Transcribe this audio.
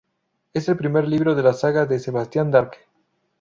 Es el primer libro de la saga de Sebastian Darke.